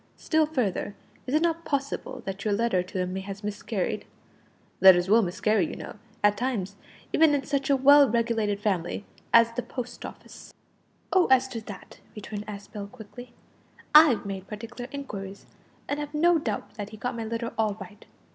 Still further, is it not possible that your letter to him may have miscarried? Letters will miscarry, you know, at times, even in such a well regulated family as the Post Office." "Oh! as to that," returned Aspel quickly, "I've made particular inquiries, and have no doubt that he got my letter all right.